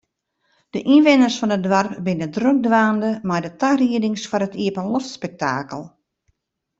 De ynwenners fan it doarp binne drok dwaande mei de tariedings foar it iepenloftspektakel.